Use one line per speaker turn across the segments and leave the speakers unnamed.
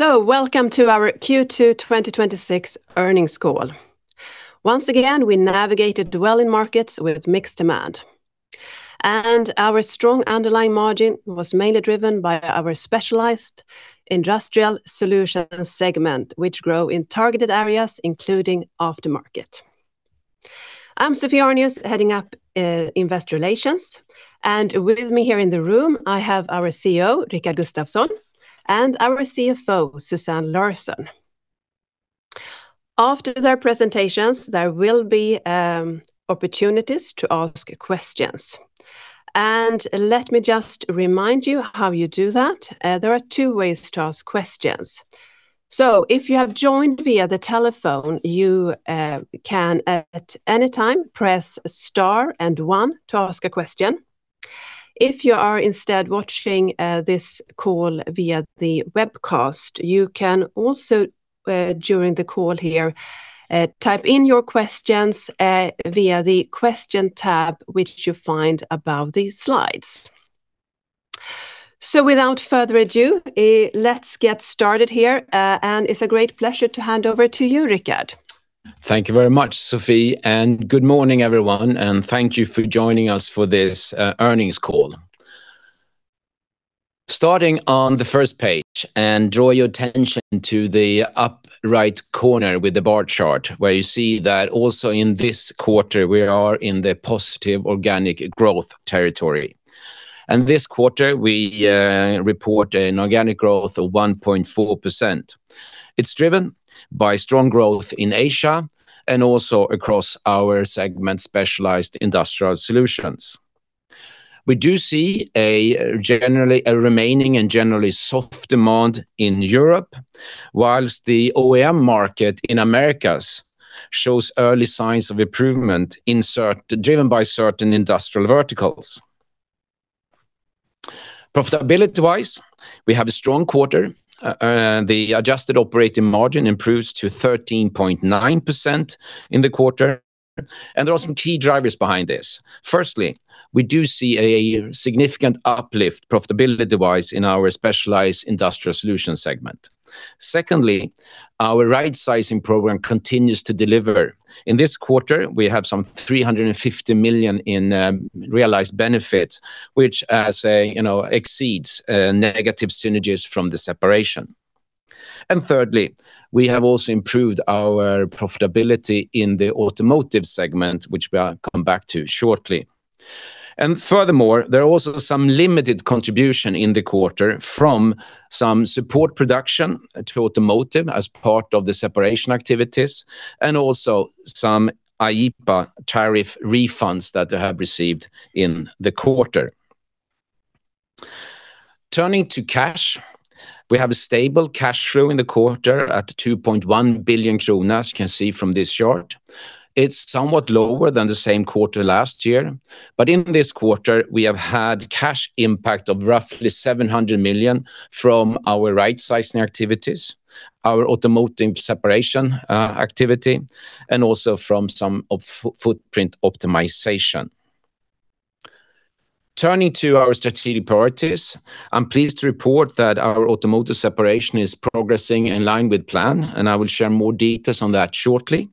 Welcome to our Q2 2026 earnings call. Once again, we navigated well in markets with mixed demand. Our strong underlying margin was mainly driven by our Specialized Industrial Solutions segment, which grow in targeted areas, including aftermarket. I'm Sophie Arnius, heading up Investor Relations. With me here in the room, I have our CEO, Rickard Gustafson, and our CFO, Susanne Larsson. After their presentations, there will be opportunities to ask questions. Let me just remind you how you do that. There are two ways to ask questions. If you have joined via the telephone, you can at any time press star and one to ask a question. If you are instead watching this call via the webcast, you can also, during the call here, type in your questions via the question tab, which you find above the slides. Without further ado, let's get started here, and it's a great pleasure to hand over to you, Rickard.
Thank you very much, Sophie, and good morning, everyone, and thank you for joining us for this earnings call. Starting on the first page and draw your attention to the up right corner with the bar chart where you see that also in this quarter, we are in the positive organic growth territory. This quarter, we report an organic growth of 1.4%. It's driven by strong growth in Asia and also across our segment Specialized Industrial Solutions. We do see a remaining and generally soft demand in Europe, whilst the OEM market in Americas shows early signs of improvement driven by certain industrial verticals. Profitability-wise, we have a strong quarter. The adjusted operating margin improves to 13.9% in the quarter, and there are some key drivers behind this. Firstly, we do see a significant uplift profitability-wise in our Specialized Industrial Solutions segment. Secondly, our rightsizing program continues to deliver. In this quarter, we have some 350 million in realized benefit, which exceeds negative synergies from the separation. Thirdly, we have also improved our profitability in the Automotive segment, which we are come back to shortly. Furthermore, there are also some limited contribution in the quarter from some support production to Automotive as part of the separation activities, and also some IEEPA tariff refunds that they have received in the quarter. Turning to cash, we have a stable cash flow in the quarter at 2.1 billion kronor, as you can see from this chart. It's somewhat lower than the same quarter last year. In this quarter, we have had cash impact of roughly 700 million from our rightsizing activities, our Automotive separation activity, and also from some of footprint optimization. Turning to our strategic priorities, I'm pleased to report that our automotive separation is progressing in line with plan. I will share more details on that shortly.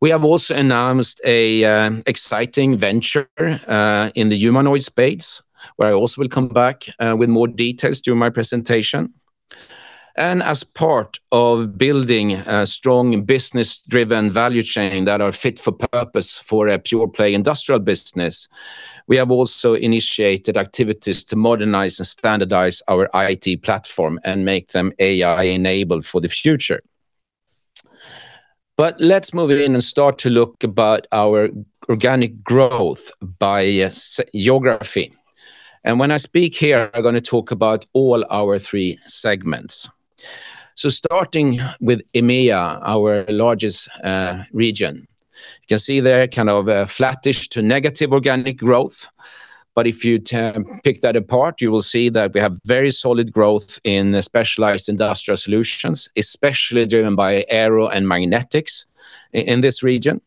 We have also announced an exciting venture in the humanoid space, where I also will come back with more details during my presentation. As part of building a strong business-driven value chain that are fit for purpose for a pure-play industrial business, we have also initiated activities to modernize and standardize our IT platform and make them AI-enabled for the future. Let's move in and start to look about our organic growth by geography. When I speak here, I'm going to talk about all our three segments. Starting with EMEA, our largest region. You can see there kind of a flattish to negative organic growth. If you pick that apart, you will see that we have very solid growth in Specialized Industrial Solutions, especially driven by Aerospace and magnetics in this region.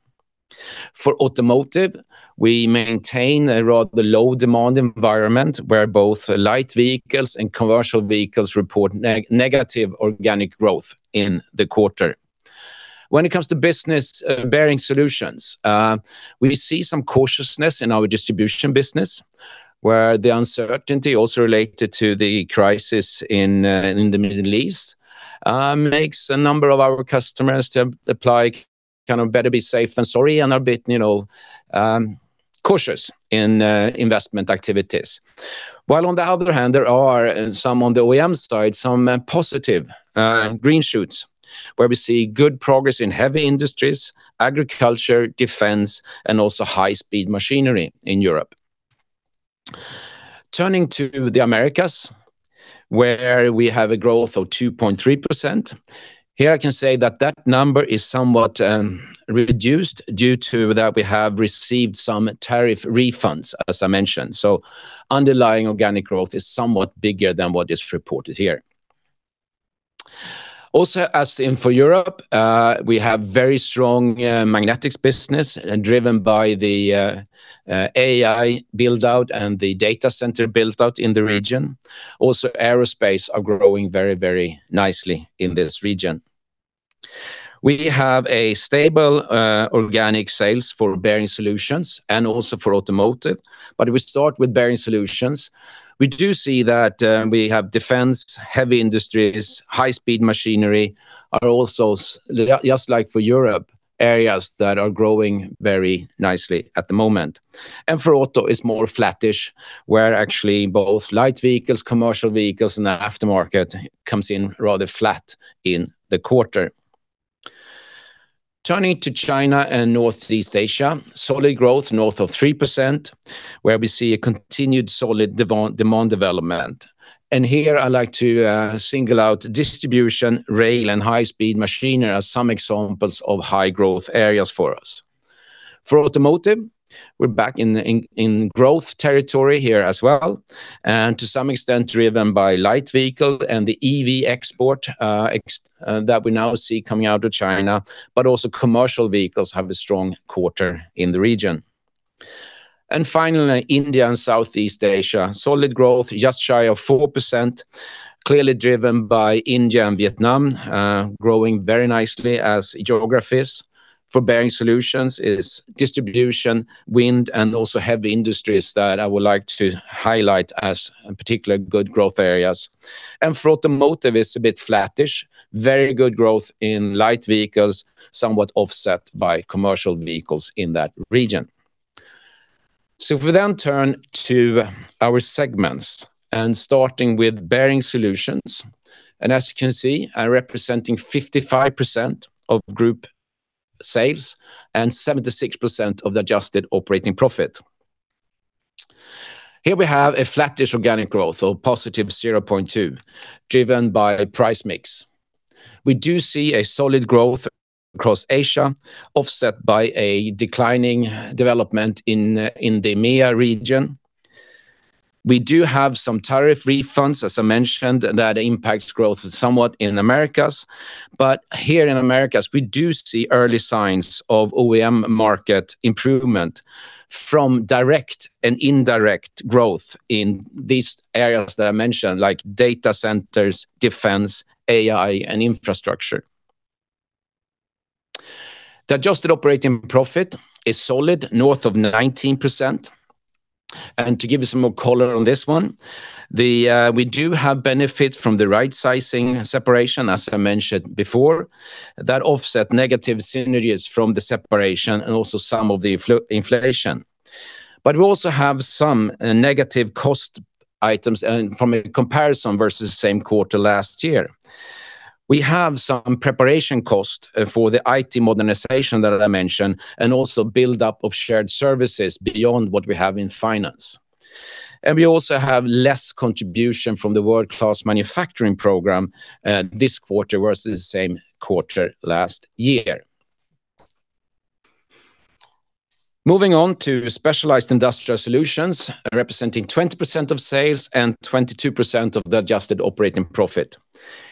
For automotive, we maintain a rather low demand environment where both light vehicles and commercial vehicles report negative organic growth in the quarter. When it comes to business Bearing Solutions, we see some cautiousness in our distribution business, where the uncertainty also related to the crisis in the Middle East makes a number of our customers to apply better be safe than sorry and a bit cautious in investment activities. While on the other hand, there are some on the OEM side, some positive green shoots, where we see good progress in heavy industries, agriculture, defense, and also high-speed machinery in Europe. Turning to the Americas, where we have a growth of 2.3%. Here I can say that that number is somewhat reduced due to that we have received some tariff refunds, as I mentioned. Underlying organic growth is somewhat bigger than what is reported here. As in for Europe, we have very strong magnetics business driven by the AI build-out and the data center build-out in the region. Aerospace are growing very nicely in this region. We have a stable organic sales for Bearing Solutions and also for automotive. We start with Bearing Solutions. We do see that we have defense, heavy industries, high-speed machinery are also, just like for Europe, areas that are growing very nicely at the moment. For auto, it's more flattish, where actually both light vehicles, commercial vehicles, and the aftermarket comes in rather flat in the quarter. Turning to China and Northeast Asia, solid growth north of 3%, where we see a continued solid demand development. Here I like to single out distribution, rail, and high-speed machinery as some examples of high-growth areas for us. For automotive, we're back in growth territory here as well. To some extent driven by light vehicle and the EV export that we now see coming out of China, commercial vehicles have a strong quarter in the region. Finally, India and Southeast Asia. Solid growth just shy of 4%, clearly driven by India and Vietnam, growing very nicely as geographies. For Bearing Solutions, it's distribution, wind, and also heavy industries that I would like to highlight as particular good growth areas. For automotive, it's a bit flattish. Very good growth in light vehicles, somewhat offset by commercial vehicles in that region. If we then turn to our segments, starting with Bearing Solutions. As you can see, are representing 55% of group sales and 76% of the adjusted operating profit. Here we have a flattish organic growth of +0.2%, driven by price mix. We do see a solid growth across Asia, offset by a declining development in the EMEA region. We do have some tariff refunds, as I mentioned, that impacts growth somewhat in Americas. Here in Americas, we do see early signs of OEM market improvement from direct and indirect growth in these areas that I mentioned, like data centers, defense, AI, and infrastructure. The adjusted operating profit is solid north of 19%. To give you some more color on this one, we do have benefit from the right sizing separation, as I mentioned before, that offset negative synergies from the separation and also some of the inflation. We also have some negative cost items from a comparison versus same quarter last year. We have some preparation cost for the IT modernization that I mentioned and also build-up of shared services beyond what we have in finance. We also have less contribution from the world-class manufacturing program this quarter versus the same quarter last year. Moving on to Specialized Industrial Solutions, representing 20% of sales and 22% of the adjusted operating profit.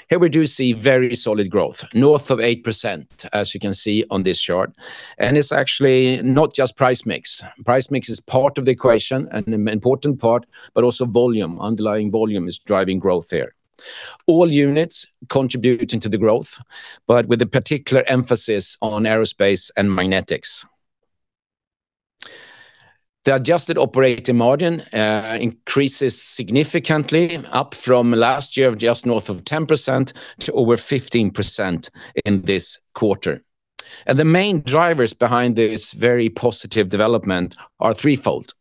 Here we do see very solid growth north of 8%, as you can see on this chart. It's actually not just price mix. Price mix is part of the equation, an important part, but also volume. Underlying volume is driving growth here. All units contributing to the growth, but with a particular emphasis on Aerospace and Magnetics. The adjusted operating margin increases significantly up from last year of just north of 10% to over 15% in this quarter. The main drivers behind this very positive development are threefold.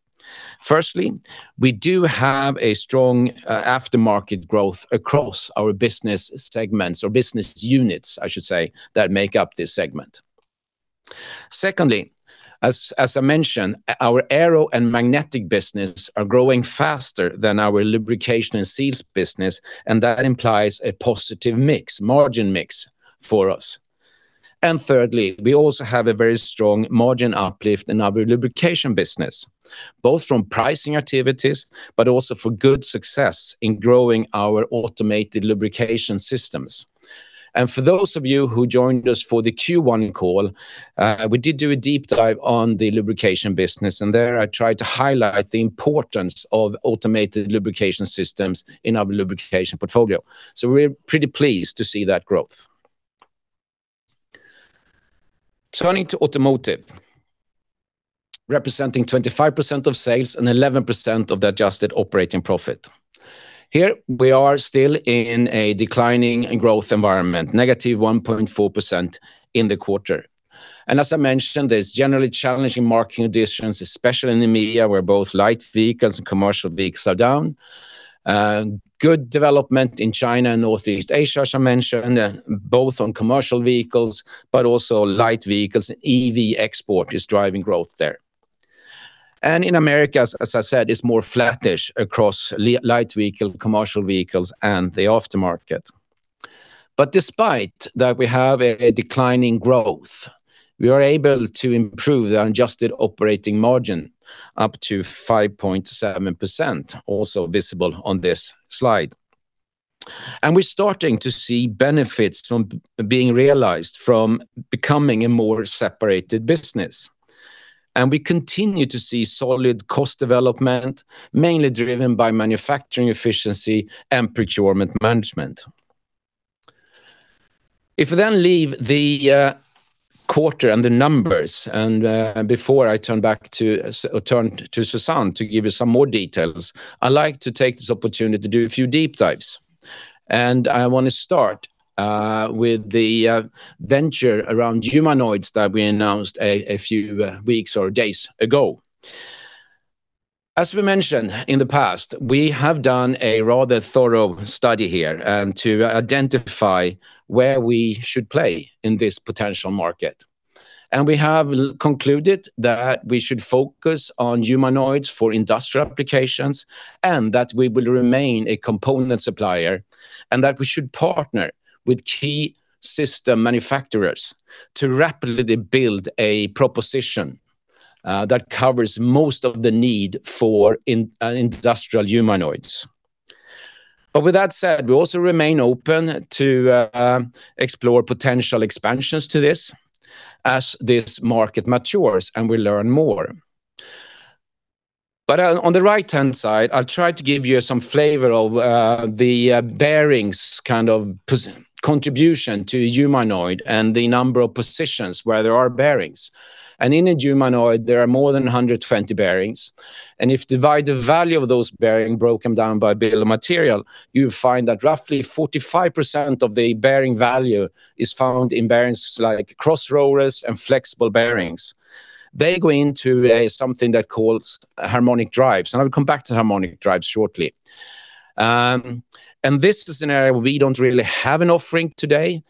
Firstly, we do have a strong aftermarket growth across our business segments or business units, I should say, that make up this segment. Secondly, as I mentioned, our Aerospace and Magnetic business are growing faster than our Lubrication and Seals business, and that implies a positive mix, margin mix for us. Thirdly, we also have a very strong margin uplift in our lubrication business, both from pricing activities but also for good success in growing our automated lubrication systems. For those of you who joined us for the Q1 call, we did do a deep dive on the lubrication business, and there I tried to highlight the importance of automated lubrication systems in our lubrication portfolio. We're pretty pleased to see that growth. Turning to Automotive, representing 25% of sales and 11% of the adjusted operating profit. Here we are still in a declining growth environment, -1.4% in the quarter. As I mentioned, there's generally challenging market conditions, especially in the EMEA, where both light vehicles and commercial vehicles are down. Good development in China and Northeast Asia, as I mentioned, both on commercial vehicles but also light vehicles. EV export is driving growth there. In Americas, as I said, it's more flattish across light vehicle, commercial vehicles, and the aftermarket. Despite that we have a decline in growth, we are able to improve the adjusted operating margin up to 5.7%, also visible on this slide. We're starting to see benefits being realized from becoming a more separated business. We continue to see solid cost development, mainly driven by manufacturing efficiency and procurement management. If we then leave the quarter and the numbers, and before I turn to Susanne to give you some more details, I'd like to take this opportunity to do a few deep dives. I want to start with the venture around humanoids that we announced a few weeks or days ago. As we mentioned in the past, we have done a rather thorough study here to identify where we should play in this potential market. We have concluded that we should focus on humanoids for industrial applications and that we will remain a component supplier, and that we should partner with key system manufacturers to rapidly build a proposition that covers most of the need for industrial humanoids. With that said, we also remain open to explore potential expansions to this as this market matures and we learn more. On the right-hand side, I'll try to give you some flavor of the bearings kind of contribution to humanoid and the number of positions where there are bearings. In a humanoid, there are more than 120 bearings. If you divide the value of those bearings, broken down by bill of materials, you find that roughly 45% of the bearing value is found in bearings like cross rollers and flexible bearings. They go into something that's called Harmonic Drives. I will come back to Harmonic Drives shortly. This is an area where we don't really have an offering today,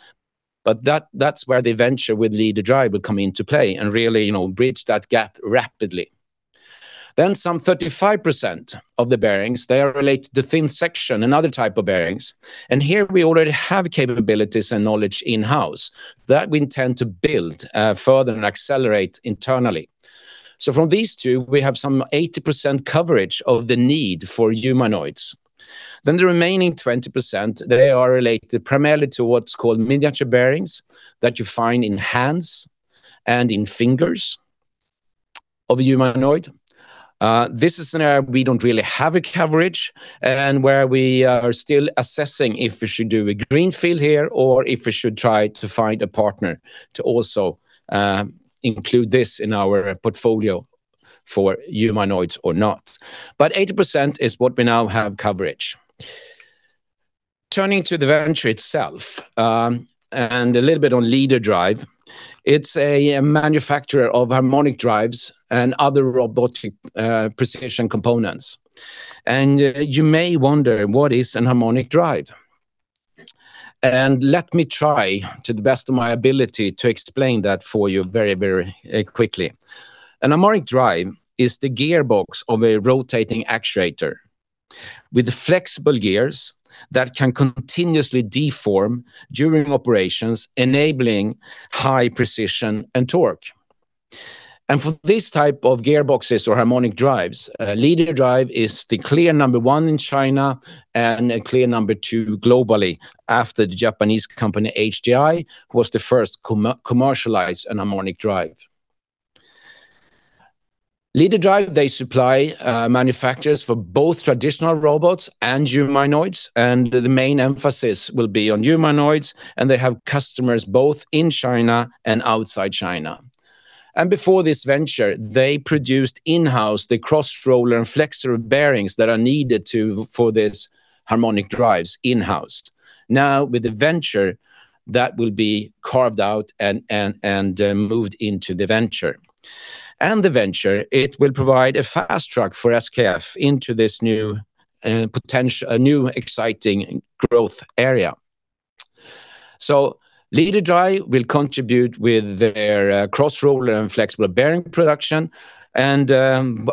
but that's where the venture with Leaderdrive will come into play and really bridge that gap rapidly. Some 35% of the bearings, they are related to thin section and other type of bearings. Here we already have capabilities and knowledge in-house that we intend to build further and accelerate internally. From these two, we have some 80% coverage of the need for humanoids. The remaining 20%, they are related primarily to what's called miniature bearings that you find in hands and in fingers of a humanoid. This is an area we don't really have a coverage and where we are still assessing if we should do a greenfield here or if we should try to find a partner to also include this in our portfolio for humanoids or not. 80% is what we now have coverage. Turning to the venture itself, and a little bit on Leaderdrive. It's a manufacturer of Harmonic Drives and other robotic precision components. You may wonder, what is an Harmonic Drive? Let me try to the best of my ability to explain that for you very quickly. An Harmonic Drive is the gearbox of a rotating actuator with flexible gears that can continuously deform during operations, enabling high precision and torque. For this type of gearboxes or Harmonic Drives, Leaderdrive is the clear number one in China and clear number two globally after the Japanese company, HGI, was the first to commercialize a Harmonic Drive. Leaderdrive supplies manufacturers for both traditional robots and humanoids, and the main emphasis will be on humanoids, and they have customers both in China and outside China. Before this venture, they produced in-house the cross roller and flexible bearings that are needed for these Harmonic Drives in-house. Now with the venture, that will be carved out and moved into the venture. The venture will provide a fast track for SKF into this new exciting growth area. Leaderdrive will contribute with their cross roller and flexible bearing production, and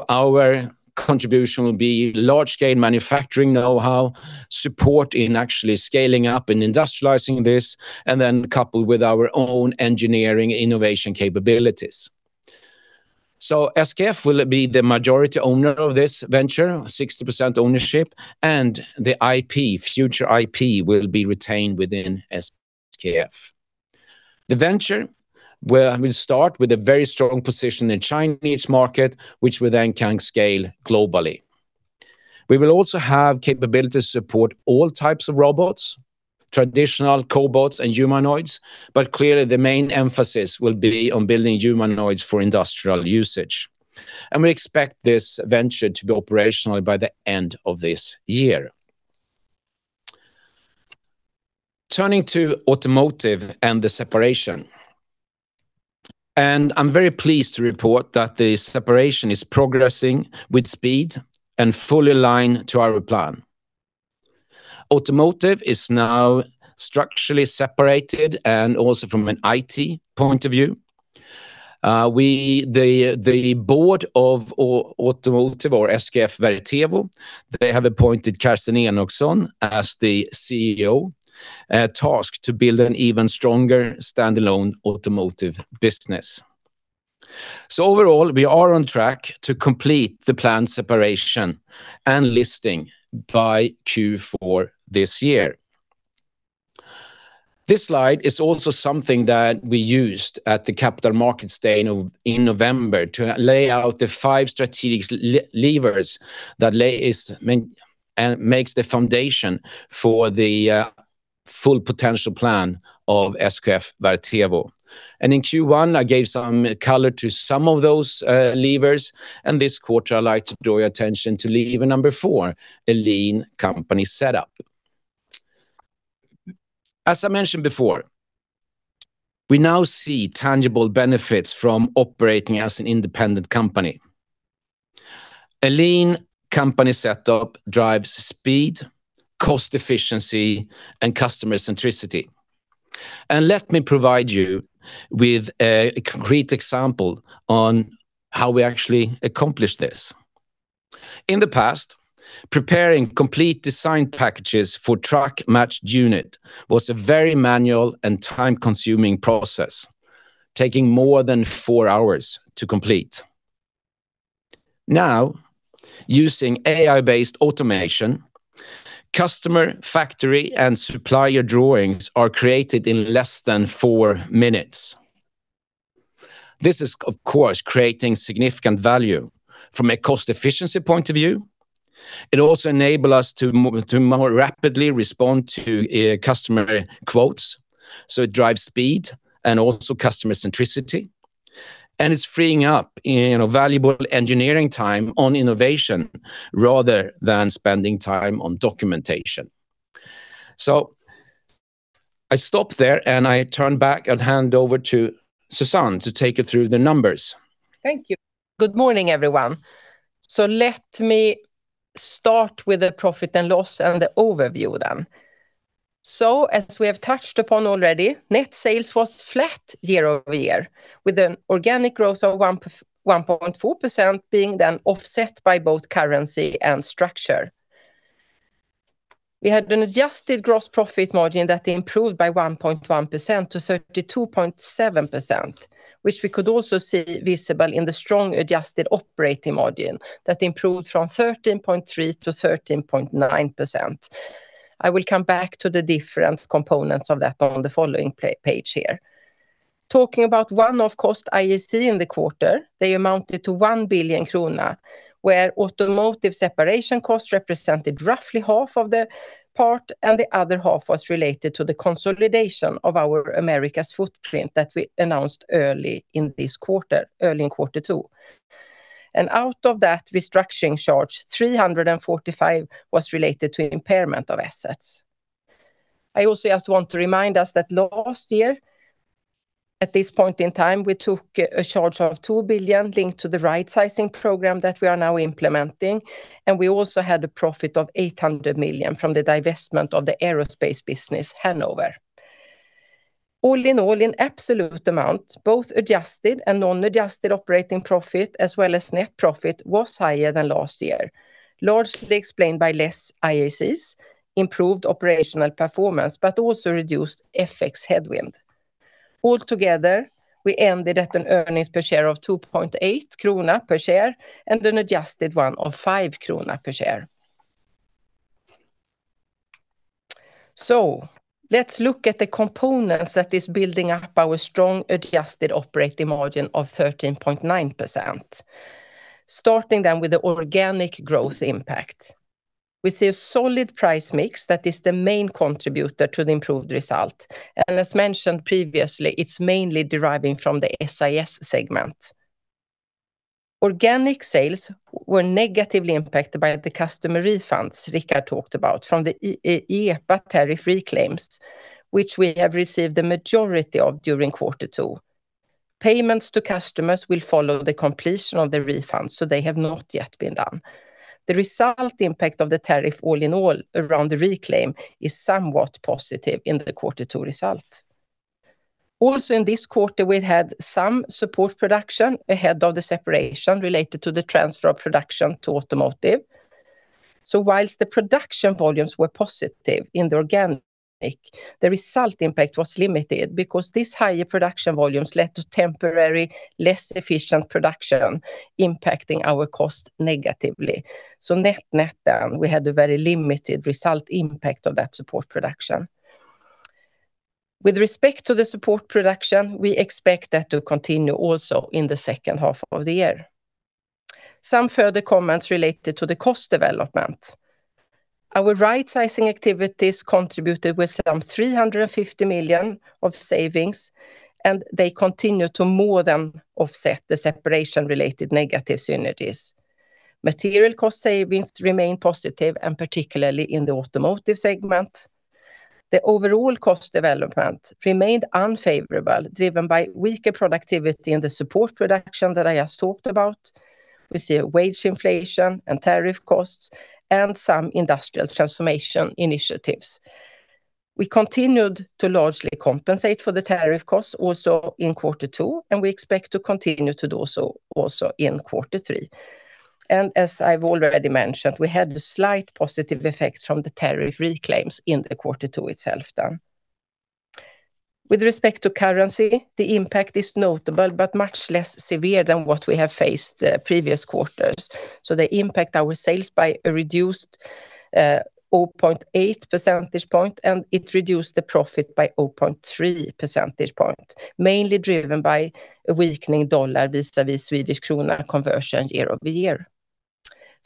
our contribution will be large-scale manufacturing know-how, support in actually scaling up and industrializing this, and then coupled with our own engineering innovation capabilities. SKF will be the majority owner of this venture, 60% ownership, and the future IP will be retained within SKF. The venture will start with a very strong position in the Chinese market, which we then can scale globally. We will also have capability to support all types of robots, traditional cobots, and humanoids, but clearly the main emphasis will be on building humanoids for industrial usage. We expect this venture to be operational by the end of this year. Turning to Automotive and the separation. I'm very pleased to report that the separation is progressing with speed and fully aligned to our plan. Automotive is now structurally separated and also from an IT point of view. The board of Automotive or SKF Vertevo, they have appointed Kerstin Enochsson as the CEO, tasked to build an even stronger standalone automotive business. Overall, we are on track to complete the planned separation and listing by Q4 this year. This slide is also something that we used at the Capital Markets Day in November to lay out the five strategic levers that makes the foundation for the full potential plan of SKF Vertevo. In Q1, I gave some color to some of those levers, and this quarter, I'd like to draw your attention to lever number four, a lean company setup. As I mentioned before, we now see tangible benefits from operating as an independent company. A lean company setup drives speed, cost efficiency, and customer centricity. Let me provide you with a concrete example on how we actually accomplish this. In the past, preparing complete design packages for truck matched unit was a very manual and time-consuming process, taking more than four hours to complete. Now, using AI-based automation, customer, factory, and supplier drawings are created in less than four minutes. This is, of course, creating significant value from a cost efficiency point of view. It also enable us to more rapidly respond to customer quotes, so it drives speed and also customer centricity. It's freeing up valuable engineering time on innovation rather than spending time on documentation. I stop there, and I turn back and hand over to Susanne to take you through the numbers.
Thank you. Good morning, everyone. Let me start with the profit and loss and the overview, then. As we have touched upon already, net sales was flat year-over-year, with an organic growth of 1.4% being then offset by both currency and structure. We had an adjusted gross profit margin that improved by 1.1% to 32.7%, which we could also see visible in the strong adjusted operating margin that improved from 13.3% to 13.9%. I will come back to the different components of that on the following page here. Talking about one-off cost IAC in the quarter, they amounted to 1 billion krona, where automotive separation costs represented roughly half of the part, and the other half was related to the consolidation of our Americas footprint that we announced early in quarter two. Out of that restructuring charge, 345 was related to impairment of assets. I also just want to remind us that last year, at this point in time, we took a charge of 2 billion linked to the rightsizing program that we are now implementing, and we also had a profit of 800 million from the divestment of the aerospace business handover. All in all, in absolute amount, both adjusted and non-adjusted operating profit as well as net profit was higher than last year, largely explained by less IACs, improved operational performance, but also reduced FX headwind. All together, we ended at an earnings per share of 2.8 krona per share and an adjusted one of 5 krona per share. Let's look at the components that is building up our strong adjusted operating margin of 13.9%. Starting then with the organic growth impact. We see a solid price mix that is the main contributor to the improved result. As mentioned previously, it's mainly deriving from the SIS segment. Organic sales were negatively impacted by the customer refunds Rickard talked about from the IEEPA tariff reclaims, which we have received the majority of during quarter two. Payments to customers will follow the completion of the refund, they have not yet been done. The result impact of the tariff all in all around the reclaim is somewhat positive in the quarter two result. In this quarter, we had some support production ahead of the separation related to the transfer of production to automotive. Whilst the production volumes were positive in the organic, the result impact was limited because these higher production volumes led to temporary, less efficient production impacting our cost negatively. Net-net, we had a very limited result impact of that support production. With respect to the support production, we expect that to continue also in the second half of the year. Some further comments related to the cost development. Our rightsizing activities contributed with some 350 million of savings, they continue to more than offset the separation-related negative synergies. Material cost savings remain positive, particularly in the automotive segment. The overall cost development remained unfavorable, driven by weaker productivity in the support production that I just talked about. We see a wage inflation, tariff costs, and some industrial transformation initiatives. We continued to largely compensate for the tariff costs also in quarter two, and we expect to continue to do so also in quarter three. As I've already mentioned, we had a slight positive effect from the tariff reclaims in the quarter two itself then. With respect to currency, the impact is notable but much less severe than what we have faced previous quarters. They impact our sales by a reduced 0.8 percentage point, and it reduced the profit by 0.3 percentage point, mainly driven by a weakening dollar vis-a-vis Swedish krona conversion year-over-year.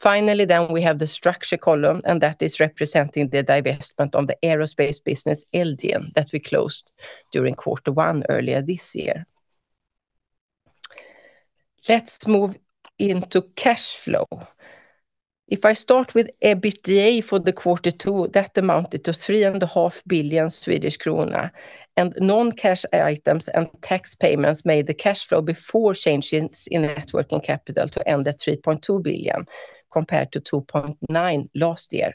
Finally, we have the structure column, and that is representing the divestment on the aerospace business, Elgin, that we closed during quarter one earlier this year. Let's move into cash flow. If I start with EBITDA for the quarter two, that amounted to 3.5 billion Swedish krona and non-cash items and tax payments made the cash flow before changes in networking capital to end at 3.2 billion compared to 2.9 last year.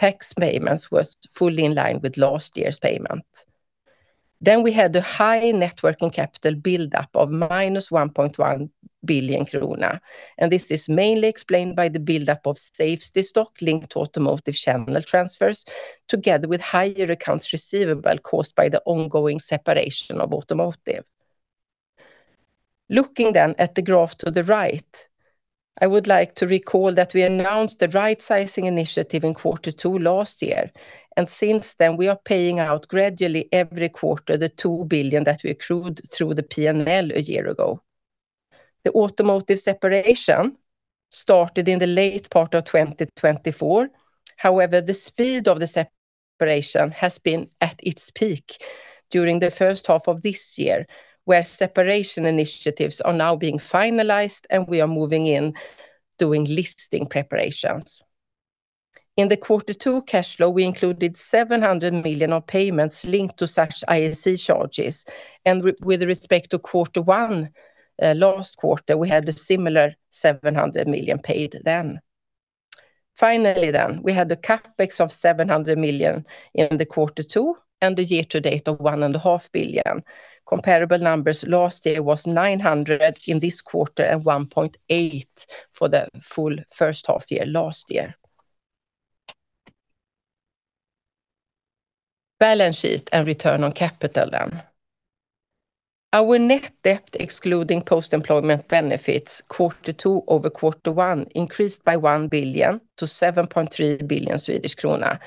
Tax payments was fully in line with last year's payment. We had the high networking capital buildup of -1.1 billion krona, and this is mainly explained by the buildup of safety stock linked to automotive channel transfers, together with higher accounts receivable caused by the ongoing separation of automotive. Looking at the graph to the right, I would like to recall that we announced the rightsizing initiative in quarter two last year, and since then, we are paying out gradually every quarter the 2 billion that we accrued through the P&L a year ago. The automotive separation started in the late part of 2024. However, the speed of the separation has been at its peak during the first half of this year, where separation initiatives are now being finalized, and we are moving in doing listing preparations. In the quarter two cash flow, we included 700 million of payments linked to such IAC charges, and with respect to quarter one, last quarter, we had a similar 700 million paid then. Finally, we had the CapEx of 700 million in the quarter two and the year-to-date of 1.5 billion. Comparable numbers last year was 900 in this quarter and 1.8 for the full first half year last year. Balance sheet and return on capital. Our net debt excluding post-employment benefits, quarter two over quarter one increased by 1 billion to 7.3 billion Swedish krona,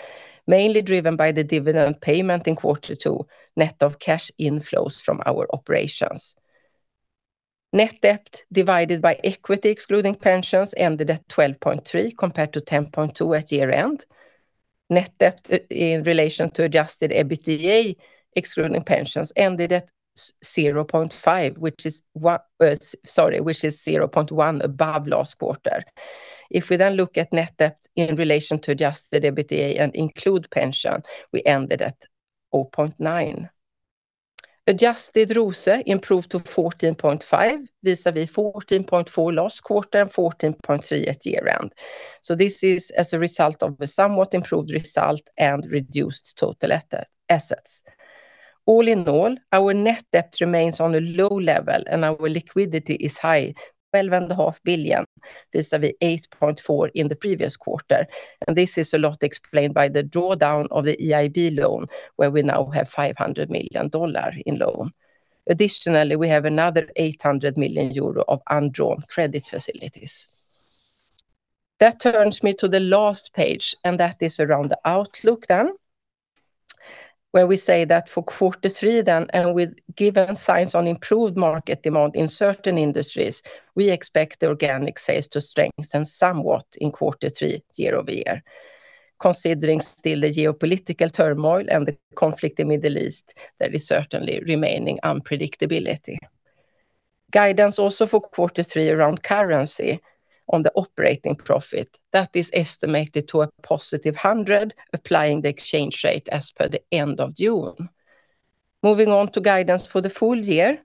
mainly driven by the dividend payment in quarter two, net of cash inflows from our operations. Net debt divided by equity excluding pensions ended at 12.3 compared to 10.2 at year-end. Net debt in relation to adjusted EBITDA excluding pensions ended at 0.5, which is 0.1 above last quarter. If we look at net debt in relation to adjusted EBITDA and include pension, we ended at 0.9. Adjusted ROCE improved to 14.5% vis-a-vis 14.4% last quarter and 14.3% at year-end. This is as a result of a somewhat improved result and reduced total assets. All in all, our net debt remains on a low level, and our liquidity is high, 12.5 billion vis-a-vis 8.4 in the previous quarter, and this is a lot explained by the drawdown of the EIB loan where we now have $500 million in loan. Additionally, we have another 800 million euro of undrawn credit facilities. That turns me to the last page, and that is around the outlook, where we say that for quarter three, and with given signs on improved market demand in certain industries, we expect organic sales to strengthen somewhat in quarter three year-over-year. Considering still the geopolitical turmoil and the conflict in Middle East, there is certainly remaining unpredictability. Guidance also for quarter three around currency on the operating profit. That is estimated to a +100, applying the exchange rate as per the end of June. Moving on to guidance for the full year,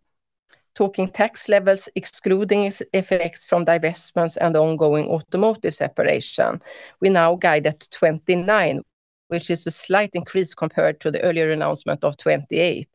talking tax levels excluding effects from divestments and ongoing automotive separation, we now guide at 29%, which is a slight increase compared to the earlier announcement of 28%.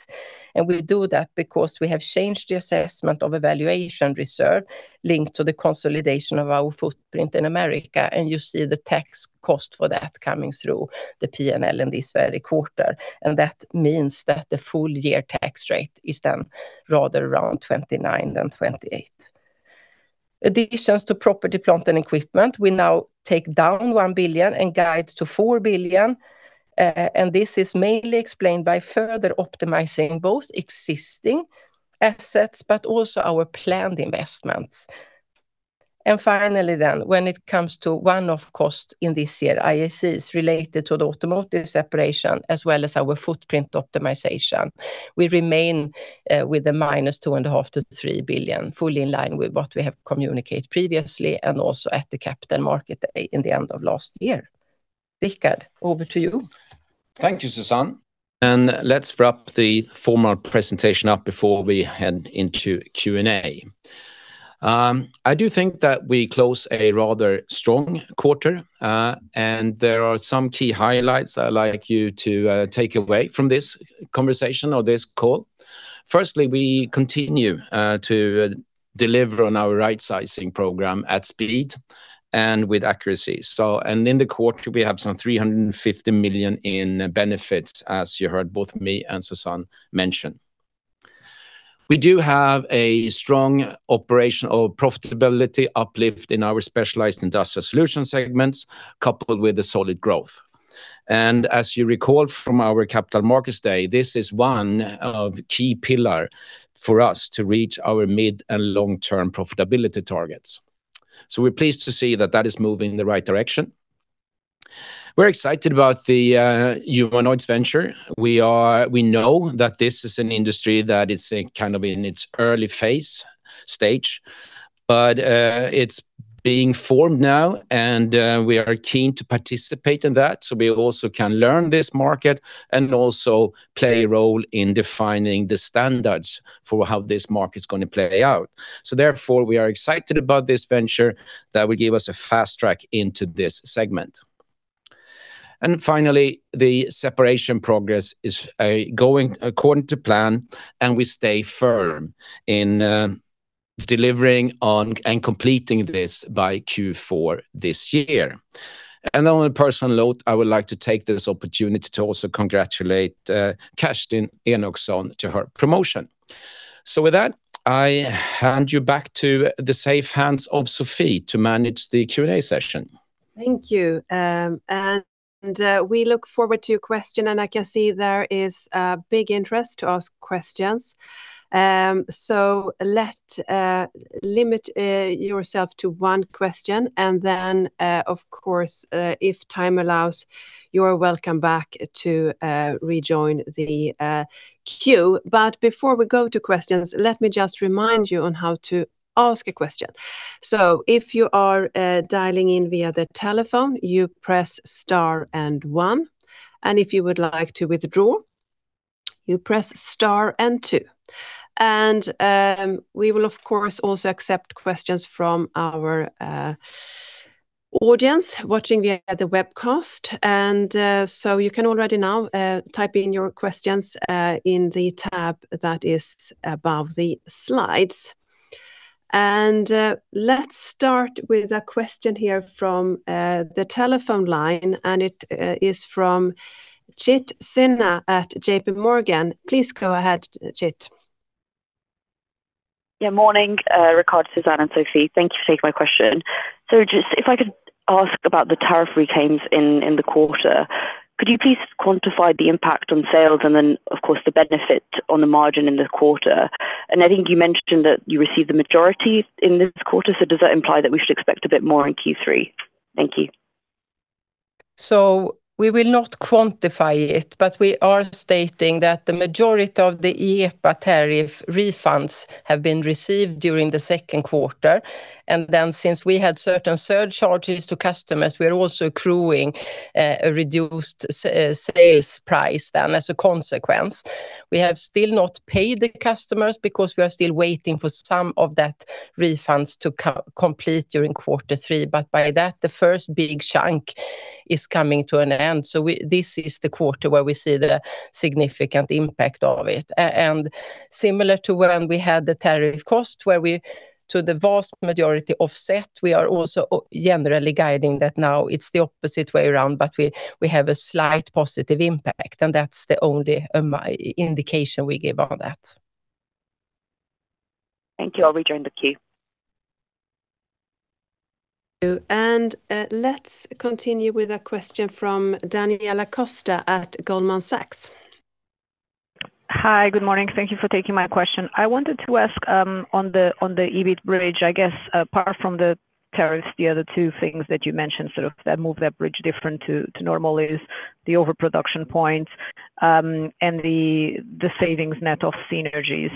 We do that because we have changed the assessment of evaluation reserve linked to the consolidation of our footprint in America, and you see the tax cost for that coming through the P&L in this very quarter. That means that the full-year tax rate is then rather around 29% than 28%. Additions to property, plant, and equipment, we now take down 1 billion and guide to 4 billion. This is mainly explained by further optimizing both existing assets but also our planned investments. Finally, then, when it comes to one-off cost in this year, IAC is related to the automotive separation as well as our footprint optimization. We remain with a -2.5 billion to 3 billion, fully in line with what we have communicated previously and also at the capital market in the end of last year. Rickard, over to you.
Thank you, Susanne. Let's wrap the formal presentation up before we head into Q&A. I do think that we closed a rather strong quarter. There are some key highlights I'd like you to take away from this conversation or this call. Firstly, we continue to deliver on our right sizing program at speed and with accuracy. In the quarter, we have some 350 million in benefits, as you heard both me and Susanne mention. We do have a strong operational profitability uplift in our Specialized Industrial Solutions segments, coupled with the solid growth. As you recall from our capital markets day, this is one of key pillar for us to reach our mid- and long-term profitability targets. We're pleased to see that that is moving in the right direction. We're excited about the humanoids venture. We know that this is an industry that is kind of in its early phase stage, but it's being formed now. We are keen to participate in that. We also can learn this market and also play a role in defining the standards for how this market's going to play out. Therefore, we are excited about this venture that will give us a fast track into this segment. Finally, the separation progress is going according to plan, and we stay firm in delivering and completing this by Q4 this year. On a personal note, I would like to take this opportunity to also congratulate Kerstin Enochsson to her promotion. With that, I hand you back to the safe hands of Sophie to manage the Q&A session.
Thank you. We look forward to your question. I can see there is a big interest to ask questions. Limit yourself to one question and then, of course, if time allows, you are welcome back to rejoin the queue. Before we go to questions, let me just remind you on how to ask a question. If you are dialing in via the telephone, you press star and one, and if you would like to withdraw, you press star and two. We will of course also accept questions from our audience watching via the webcast. You can already now type in your questions in the tab that is above the slides. Let's start with a question here from the telephone line, and it is from Chit Sinha at JPMorgan. Please go ahead, Chit.
Yeah. Morning, Rickard, Susanne, and Sophie. Thank you for taking my question. Just if I could ask about the tariff reclaims in the quarter. Could you please quantify the impact on sales and then, of course, the benefit on the margin in the quarter? I think you mentioned that you received the majority in this quarter. Does that imply that we should expect a bit more in Q3? Thank you.
We will not quantify it, but we are stating that the majority of the IEEPA tariff refunds have been received during the second quarter, then since we had certain surcharges to customers, we are also accruing a reduced sales price then as a consequence. We have still not paid the customers because we are still waiting for some of that refunds to complete during quarter three. By that, the first big chunk is coming to an end. This is the quarter where we see the significant impact of it. Similar to when we had the tariff cost, where we, to the vast majority, offset, we are also generally guiding that now it's the opposite way around. We have a slight positive impact, and that's the only indication we give on that.
Thank you. I'll return the queue.
Let's continue with a question from Daniela Costa at Goldman Sachs.
Hi. Good morning. Thank you for taking my question. I wanted to ask, on the EBIT bridge, I guess apart from the tariffs, the other two things that you mentioned, sort of that move that bridge different to normal is the overproduction points, and the savings net of synergies.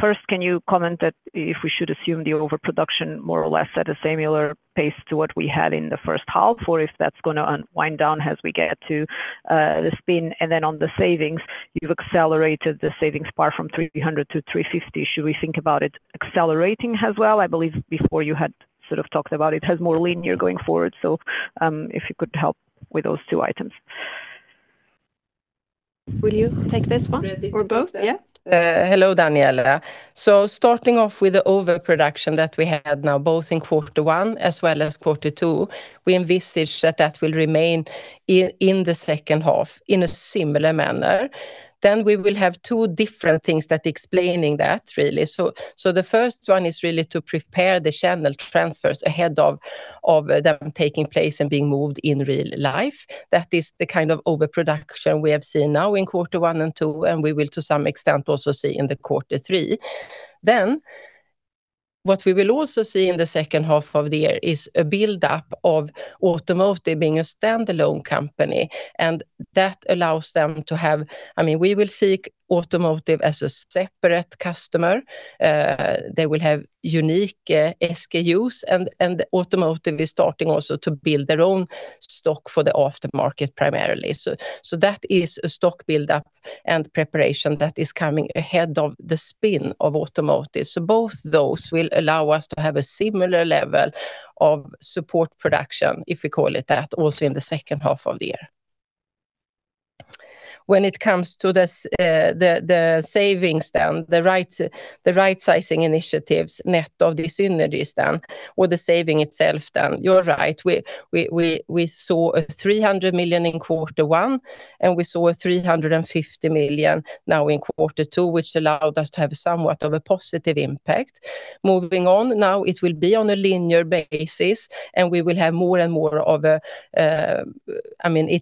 First, can you comment that if we should assume the overproduction more or less at a similar pace to what we had in the first half? Or if that's going to unwind down as we get to the spin. On the savings, you've accelerated the savings part from 300 million to 350 million. Should we think about it accelerating as well? I believe before you had sort of talked about it as more linear going forward. If you could help with those two items.
Will you take this one? Or both? Yeah.
Hello, Daniela. Starting off with the overproduction that we had now, both in quarter one as well as quarter two, we envisage that that will remain in the second half in a similar manner. We will have two different things that explaining that, really. The first one is really to prepare the channel transfers ahead of them taking place and being moved in real life. That is the kind of overproduction we have seen now in quarter one and two, and we will, to some extent, also see in the quarter three. What we will also see in the second half of the year is a buildup of Automotive being a standalone company. We will seek Automotive as a separate customer. They will have unique SKUs, and Automotive is starting also to build their own stock for the aftermarket primarily. That is a stock buildup and preparation that is coming ahead of the spin of automotive. Both those will allow us to have a similar level of support production, if we call it that, also in the second half of the year. When it comes to the savings, the right sizing initiatives, net of the synergies or the saving itself, you're right. We saw 300 million in Q1, and we saw 350 million now in Q2, which allowed us to have somewhat of a positive impact. Moving on, now it will be on a linear basis, and it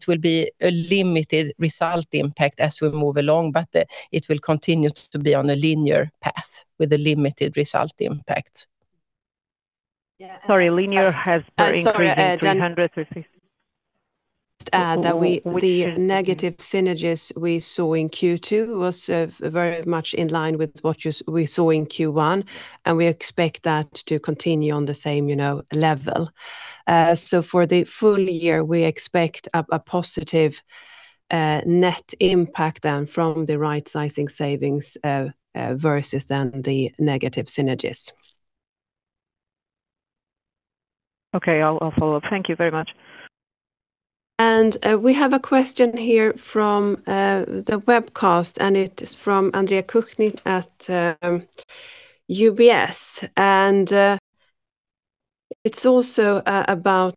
will be a limited result impact as we move along. It will continue to be on a linear path with a limited result impact.
Sorry, linear as per increase in 350?
Sorry. Just to add that the negative synergies we saw in Q2 was very much in line with what we saw in Q1, and we expect that to continue on the same level. For the full year, we expect a positive net impact from the right sizing savings versus the negative synergies.
Okay. I'll follow up. Thank you very much.
We have a question here from the webcast, it is from Andre Kukhnin at UBS. It's also about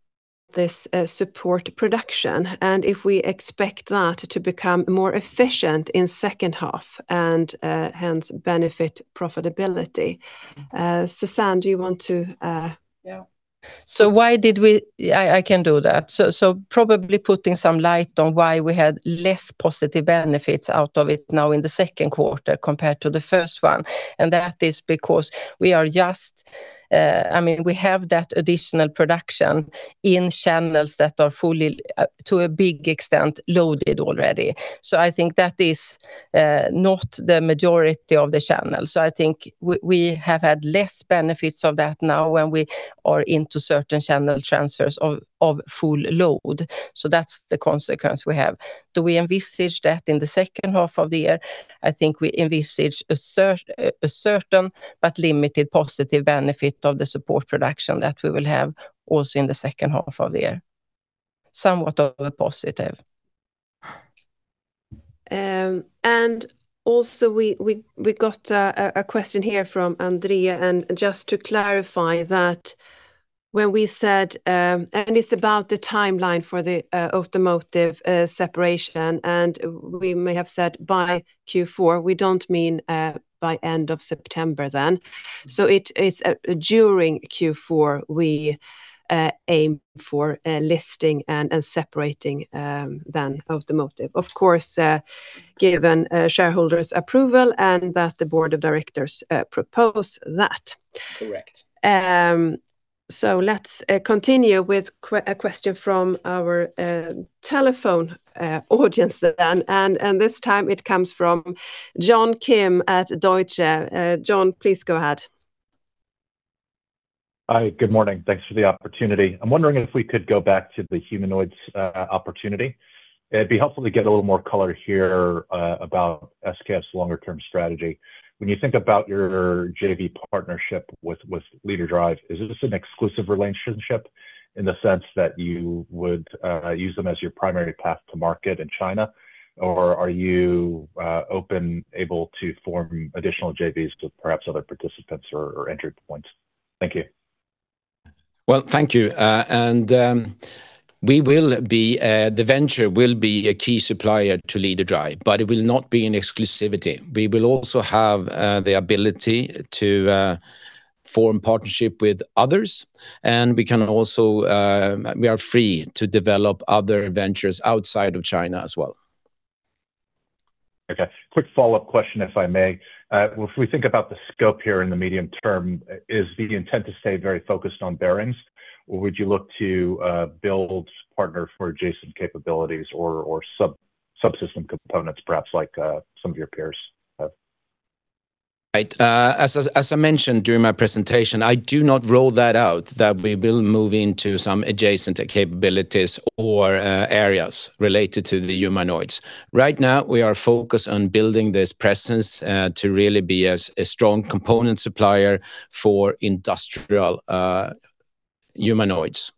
this support production and if we expect that to become more efficient in the second half and hence benefit profitability. Susanne, do you want to?
Yeah. I can do that. Probably putting some light on why we had less positive benefits out of it now in the second quarter compared to the first one, that is because we have that additional production in channels that are fully, to a big extent, loaded already. I think that is not the majority of the channels. I think we have had less benefits of that now when we are into certain channel transfers of full load. That's the consequence we have. Do we envisage that in the second half of the year? I think we envisage a certain but limited positive benefit of the support production that we will have also in the second half of the year. Somewhat of a positive.
Also we got a question here from Andre, just to clarify that when we said, it's about the timeline for the Automotiv separation, we may have said by Q4, we don't mean by end of September then. It's during Q4, we aim for a listing and separating then Automotiv. Of course, given shareholders' approval and that the board of directors propose that.
Correct.
Let's continue with a question from our telephone audience then, this time it comes from John Kim at Deutsche. John, please go ahead.
Hi. Good morning. Thanks for the opportunity. I'm wondering if we could go back to the humanoids opportunity. It'd be helpful to get a little more color here about SKF's longer term strategy. When you think about your JV partnership with Leaderdrive, is this an exclusive relationship in the sense that you would use them as your primary path to market in China? Or are you open, able to form additional JVs with perhaps other participants or entry points? Thank you.
Well, thank you. The venture will be a key supplier to Leaderdrive, it will not be in exclusivity. We will also have the ability to form partnership with others, we are free to develop other ventures outside of China as well.
Okay. Quick follow-up question, if I may. If we think about the scope here in the medium term, is the intent to stay very focused on bearings, or would you look to build partner for adjacent capabilities or subsystem components, perhaps like some of your peers have?
As I mentioned during my presentation, I do not rule that out that we will move into some adjacent capabilities or areas related to the humanoids. Right now, we are focused on building this presence to really be a strong component supplier for industrial humanoids.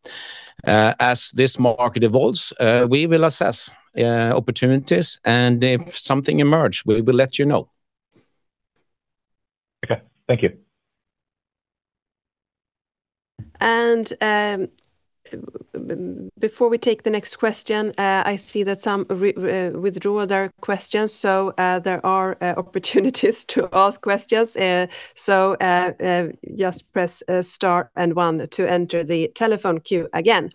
As this market evolves, we will assess opportunities, and if something emerge, we will let you know.
Okay. Thank you.
Before we take the next question, I see that some withdraw their questions. There are opportunities to ask questions. Just press star and one to enter the telephone queue again.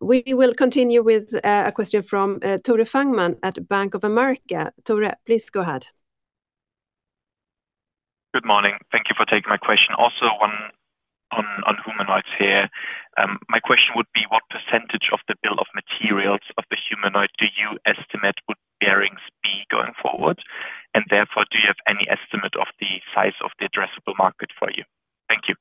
We will continue with a question from Tore Fangmann at Bank of America. Tore, please go ahead.
Good morning. Thank you for taking my question. Also on humanoids here. My question would be, what percentage of the bill of materials of the humanoid do you estimate would bearings be going forward? Therefore, do you have any estimate of the size of the addressable market for you? Thank you.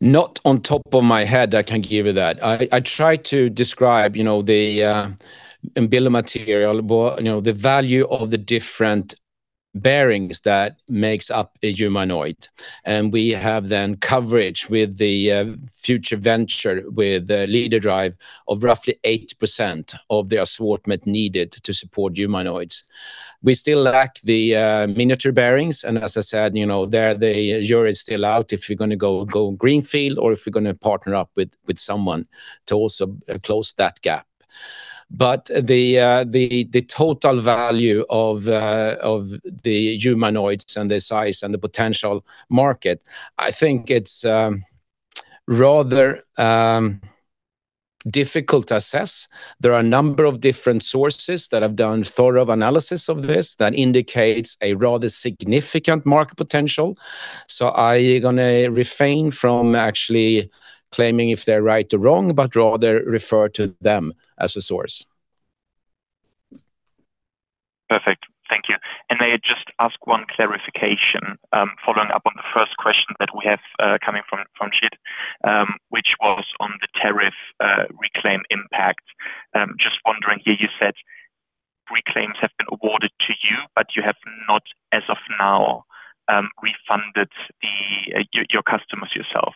Not on top of my head I can give you that. I tried to describe the bill of materials, the value of the different bearings that makes up a humanoid. We have then coverage with the future venture with Leaderdrive of roughly 80% of the assortment needed to support humanoids. We still lack the miniature bearings, and as I said, the jury's still out if we're going to go greenfield or if we're going to partner up with someone to also close that gap. The total value of the humanoids and the size and the potential market, I think it's rather difficult to assess. There are a number of different sources that have done thorough analysis of this that indicates a rather significant market potential. I'm going to refrain from actually claiming if they're right or wrong, but rather refer to them as a source.
Perfect. Thank you. May I just ask one clarification following up on the first question that we have coming from Chit, which was on the tariff reclaim impact. Just wondering here, you said reclaims have been awarded to you, but you have not as of now refunded your customers yourself.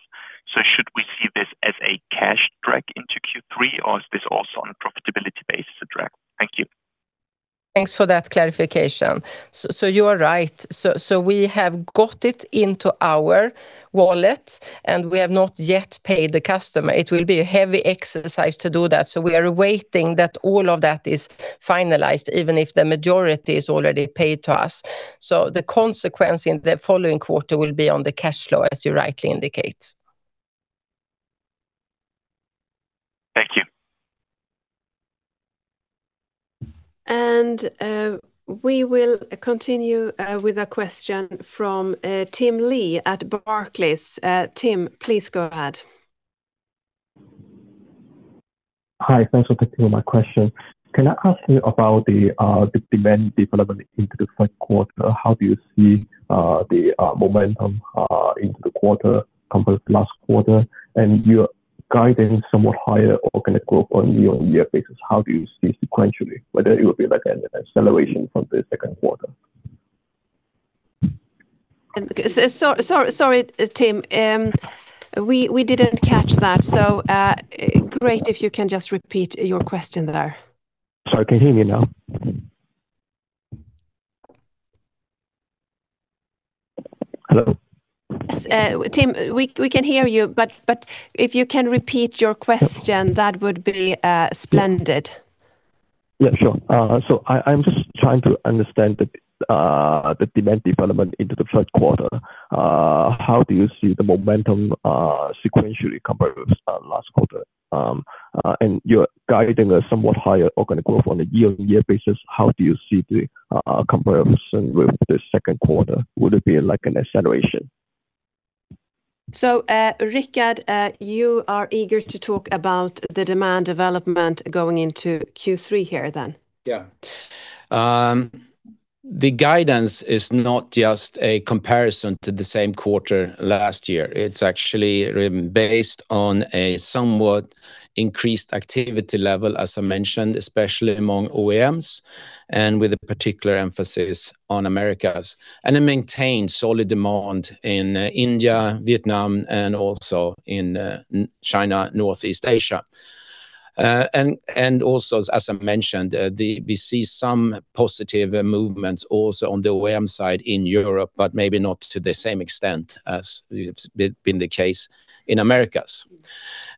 Should we see this as a cash drag into Q3, or is this also on a profitability basis drag? Thank you.
Thanks for that clarification. You are right. We have got it into our wallet, and we have not yet paid the customer. It will be a heavy exercise to do that. We are awaiting that all of that is finalized, even if the majority is already paid to us. The consequence in the following quarter will be on the cash flow, as you rightly indicate.
Thank you.
We will continue with a question from Tim Lee at Barclays. Tim, please go ahead.
Hi, thanks for taking my question. Can I ask you about the demand development into the first quarter? How do you see the momentum into the quarter compared to last quarter? Your guidance is somewhat higher organic growth on year-on-year basis. How do you see sequentially whether it will be like an acceleration from the second quarter?
Sorry, Tim. We didn't catch that, so great if you can just repeat your question there.
Sorry, can you hear me now? Hello?
Yes, Tim, we can hear you. If you can repeat your question, that would be splendid.
Yeah, sure. I'm just trying to understand the demand development into the third quarter. How do you see the momentum sequentially compared with last quarter? You're guiding a somewhat higher organic growth on a year-on-year basis. How do you see the comparison with the second quarter? Would it be like an acceleration?
Rickard, you are eager to talk about the demand development going into Q3 here then?
Yeah. The guidance is not just a comparison to the same quarter last year. It's actually based on a somewhat increased activity level, as I mentioned, especially among OEMs, with a particular emphasis on Americas. A maintained solid demand in India, Vietnam, also in China, Northeast Asia. Also, as I mentioned, we see some positive movements also on the OEM side in Europe, but maybe not to the same extent as it's been the case in Americas.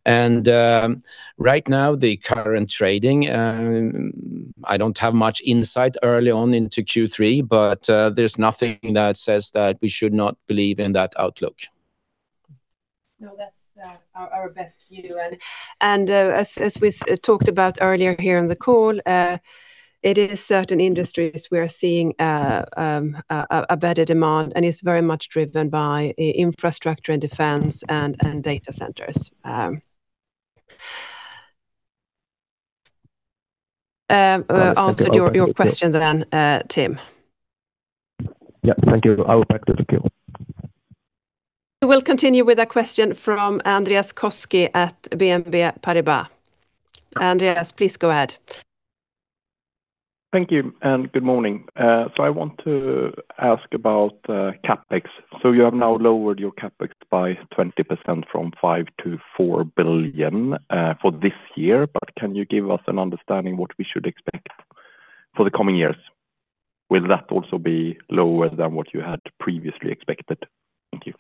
Right now, the current trading, I don't have much insight early on into Q3, but there's nothing that says that we should not believe in that outlook.
No, that's our best view. As we talked about earlier here on the call, it is certain industries we are seeing a better demand, it's very much driven by infrastructure and defense and data centers. Answered your question then, Tim.
Yeah. Thank you. I will go back to the queue.
We will continue with a question from Andreas Koski at BNP Paribas. Andreas, please go ahead.
Thank you, and good morning. I want to ask about CapEx. You have now lowered your CapEx by 20% from 5 billion to 4 billion for this year. Can you give us an understanding what we should expect for the coming years? Will that also be lower than what you had previously expected? Thank you.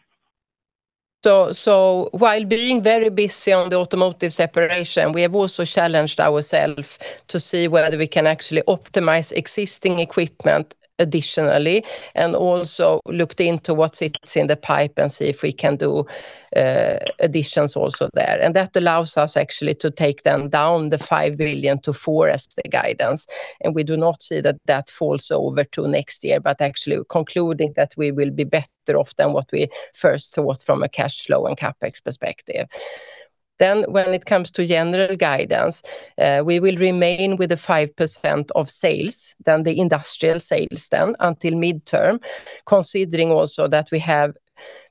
While being very busy on the automotive separation, we have also challenged ourself to see whether we can actually optimize existing equipment additionally, and also looked into what sits in the pipe and see if we can do additions also there. That allows us actually to take them down the 5 billion to 4 billion as the guidance. We do not see that falls over to next year, but actually concluding that we will be better off than what we first thought from a cash flow and CapEx perspective. When it comes to general guidance, we will remain with the 5% of sales, the industrial sales then, until midterm, considering also that we have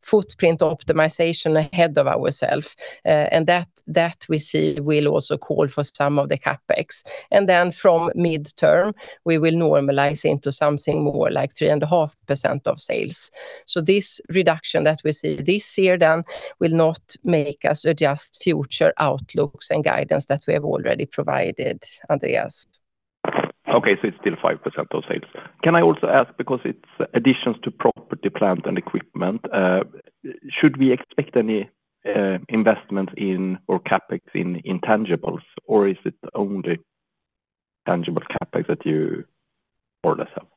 footprint optimization ahead of ourself, and that we see will also call for some of the CapEx. From midterm, we will normalize into something more like 3.5% of sales. This reduction that we see this year then will not make us adjust future outlooks and guidance that we have already provided, Andreas.
Okay, it's still 5% of sales. Can I also ask, because it's additions to property, plant, and equipment, should we expect any investment in, or CapEx in intangibles, or is it only tangible CapEx that you ordered yourself?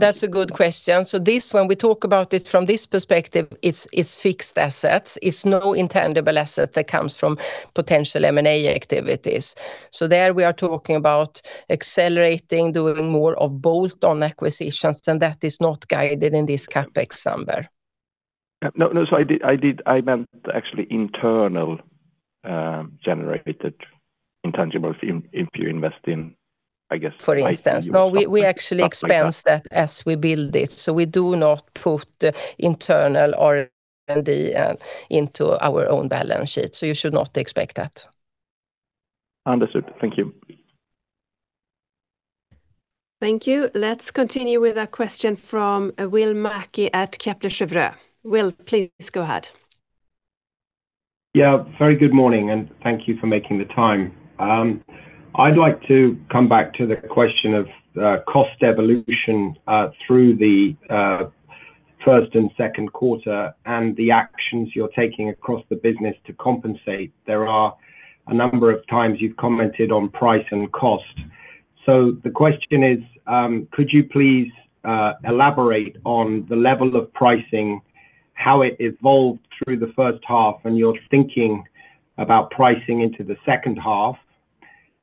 That's a good question. This, when we talk about it from this perspective, it's fixed assets. It's no intangible asset that comes from potential M&A activities. There we are talking about accelerating, doing more of bolt-on acquisitions, and that is not guided in this CapEx number.
No, I meant actually internal-generated intangibles. If you invest in, I guess, IP.
For instance. No, we actually expense that as we build it, we do not put internal R&D into our own balance sheet. You should not expect that.
Understood. Thank you.
Thank you. Let's continue with a question from Will Mackie at Kepler Cheuvreux. Will, please go ahead.
Yeah. Very good morning, thank you for making the time. I'd like to come back to the question of cost evolution through the first and second quarter, and the actions you're taking across the business to compensate. There are a number of times you've commented on price and cost. The question is, could you please elaborate on the level of pricing, how it evolved through the first half, and your thinking about pricing into the second half,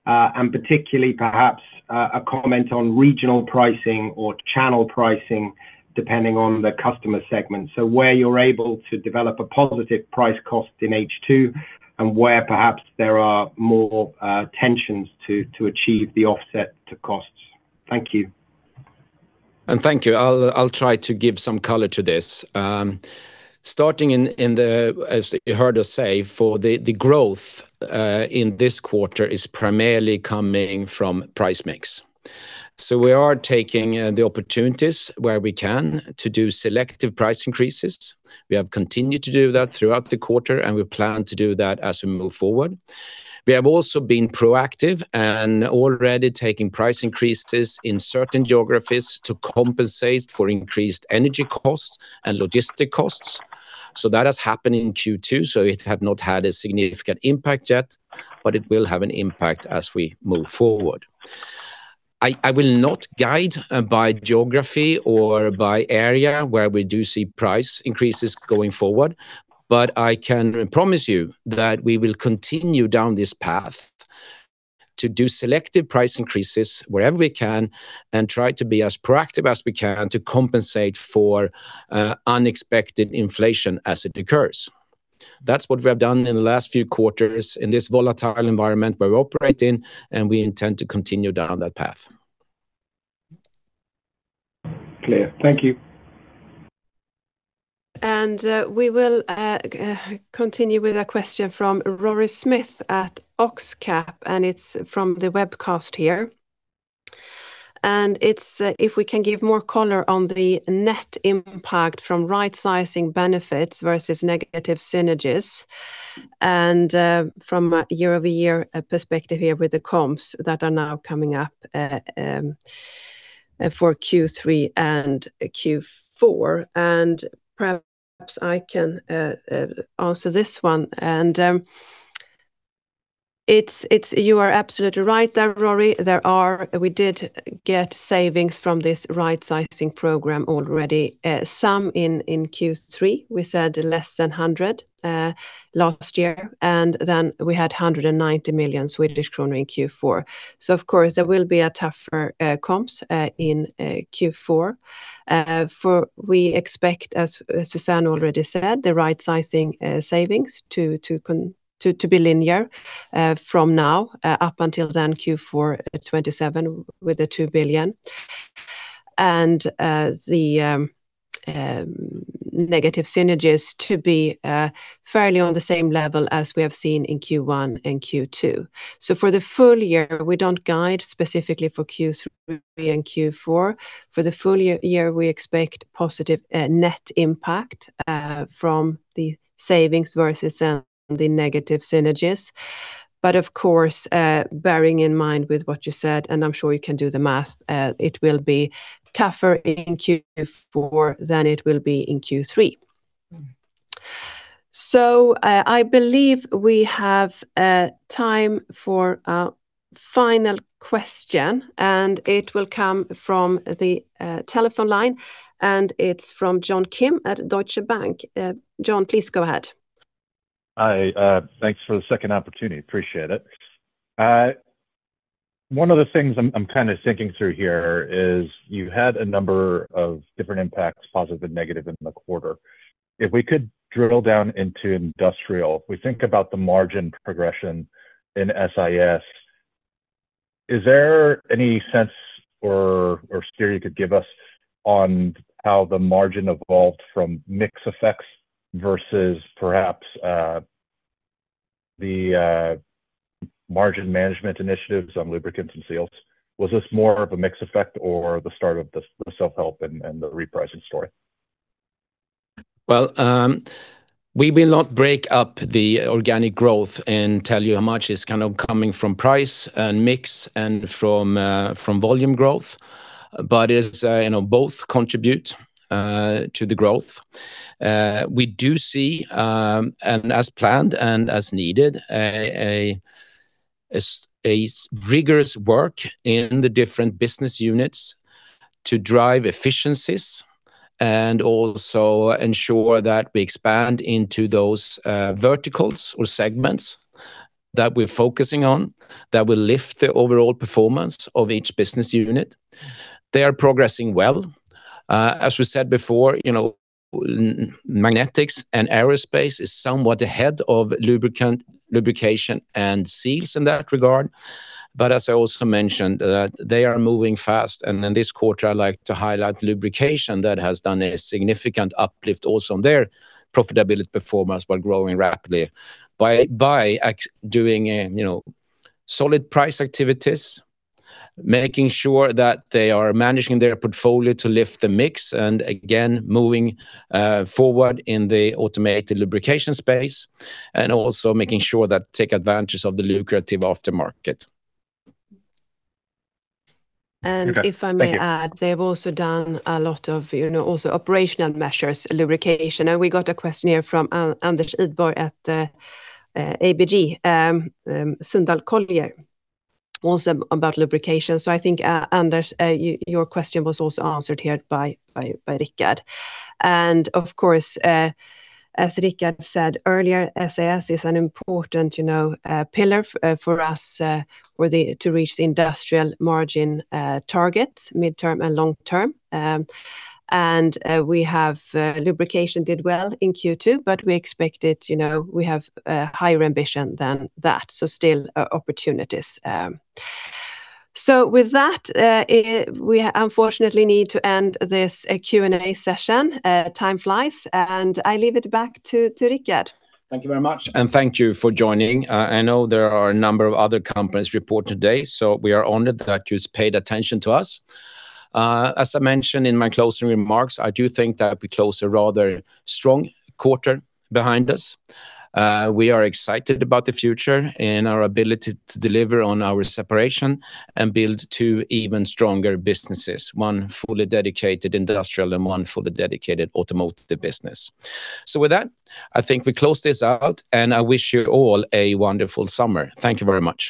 and particularly perhaps a comment on regional pricing or channel pricing depending on the customer segment. Where you're able to develop a positive price cost in H2, and where perhaps there are more tensions to achieve the offset to costs. Thank you.
Thank you. I'll try to give some color to this. Starting in the, as you heard us say, for the growth in this quarter is primarily coming from price mix. We are taking the opportunities where we can to do selective price increases. We have continued to do that throughout the quarter, and we plan to do that as we move forward. We have also been proactive and already taking price increases in certain geographies to compensate for increased energy costs and logistic costs. That has happened in Q2, so it had not had a significant impact yet, but it will have an impact as we move forward. I will not guide by geography or by area where we do see price increases going forward, I can promise you that we will continue down this path to do selective price increases wherever we can and try to be as proactive as we can to compensate for unexpected inflation as it occurs. That's what we have done in the last few quarters in this volatile environment where we operate in, we intend to continue down that path.
Clear. Thank you.
We will continue with a question from Rory Smith at OxCap, and it's from the webcast here. It is if we can give more color on the net impact from right-sizing benefits versus negative synergies, and from a year-over-year perspective here with the comps that are now coming up for Q3 and Q4. Perhaps I can answer this one. You are absolutely right there, Rory. We did get savings from this right-sizing program already. Some in Q3. We said less than 100 last year, and then we had 190 million Swedish kronor in Q4. Of course, there will be a tougher comps in Q4. We expect, as Susanne already said, the right-sizing savings to be linear from now up until Q4 2027 with the 2 billion, and the negative synergies to be fairly on the same level as we have seen in Q1 and Q2. For the full year, we don't guide specifically for Q3 and Q4. For the full year, we expect positive net impact from the savings versus the negative synergies. Of course, bearing in mind with what you said, and I'm sure you can do the math, it will be tougher in Q4 than it will be in Q3. I believe we have time for a final question, and it will come from the telephone line. It is from John Kim at Deutsche Bank. John, please go ahead.
Hi. Thanks for the second opportunity. Appreciate it. One of the things I'm thinking through here is you had a number of different impacts, positive and negative in the quarter. If we could drill down into industrial, if we think about the margin progression in SIS, is there any sense or steer you could give us on how the margin evolved from mix effects versus perhaps the margin management initiatives on lubricants and seals? Was this more of a mix effect or the start of the self-help and the repricing story?
Well, we will not break up the organic growth and tell you how much is coming from price and mix and from volume growth. Both contribute to the growth. We do see, and as planned and as needed, a rigorous work in the different business units to drive efficiencies and also ensure that we expand into those verticals or segments that we are focusing on that will lift the overall performance of each business unit. They are progressing well. As we said before, magnetics and aerospace is somewhat ahead of lubrication and seals in that regard. As I also mentioned, they are moving fast. In this quarter, I'd like to highlight lubrication that has done a significant uplift also on their profitability performance while growing rapidly by doing solid price activities, making sure that they are managing their portfolio to lift the mix, again, moving forward in the automated lubrication space and also making sure that take advantage of the lucrative aftermarket.
If I may add, they've also done a lot of operational measures, lubrication. We got a question here from Anders Idborg at the ABG Sundal Collier, also about lubrication. I think, Anders, your question was also answered here by Rickard. Of course, as Rickard said earlier, SIS is an important pillar for us to reach the industrial margin targets midterm and long term. Lubrication did well in Q2, but we expected we have a higher ambition than that, still opportunities. With that, we unfortunately need to end this Q&A session. Time flies, I leave it back to Rickard.
Thank you very much, and thank you for joining. I know there are a number of other companies report today, so we are honored that yous paid attention to us. As I mentioned in my closing remarks, I do think that we close a rather strong quarter behind us. We are excited about the future and our ability to deliver on our separation and build two even stronger businesses, one fully dedicated industrial and one fully dedicated automotive business. With that, I think we close this out, and I wish you all a wonderful summer. Thank you very much.